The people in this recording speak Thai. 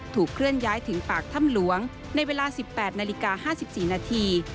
เคลื่อนย้ายถึงปากถ้ำหลวงในเวลา๑๘นาฬิกา๕๔นาที